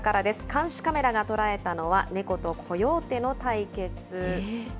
監視カメラが捉えたのはネコとコヨーテの対決。